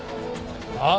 ああ？